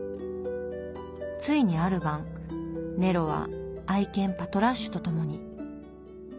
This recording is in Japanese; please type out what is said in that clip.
ついにある晩ネロは愛犬パトラッシュと共に。